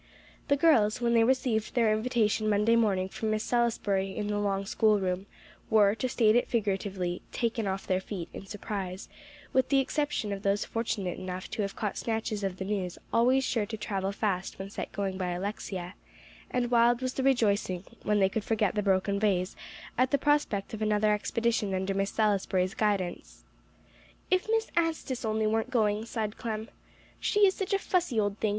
The girls, when they received their invitation Monday morning from Miss Salisbury in the long schoolroom, were, to state it figuratively, "taken off their feet" in surprise, with the exception of those fortunate enough to have caught snatches of the news always sure to travel fast when set going by Alexia; and wild was the rejoicing, when they could forget the broken vase, at the prospect of another expedition under Miss Salisbury's guidance. "If Miss Anstice only weren't going!" sighed Clem. "She is such a fussy old thing.